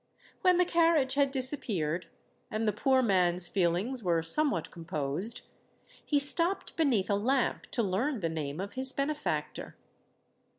When the carriage had disappeared, and the poor man's feelings were somewhat composed, he stopped beneath a lamp to learn the name of his benefactor.